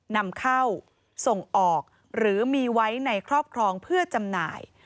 นำเข้าส่งออกหรือมีไว้ในครอบครองเพื่อจำหน่าย